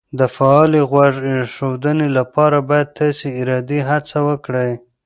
د فعالې غوږ ایښودنې لپاره باید تاسې ارادي هڅه وکړئ